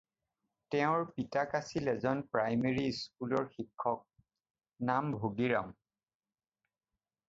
তেওঁৰ পিতাক আছিল এজন প্ৰাইমাৰী স্কুলৰ শিক্ষক, নাম ভগীৰাম।